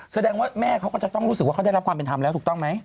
แสดงว่าแม่เขาก็จะต้องรู้สึกว่าเขาได้รับความเป็นธรรมแล้วถูกต้องไหม